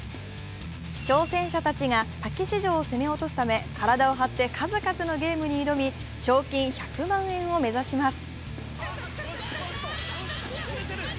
挑戦者たちが「たけし城」を攻め落とすため、体を張って数々のゲームに挑み賞金１００万円を目指します。